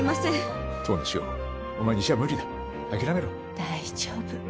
大丈夫。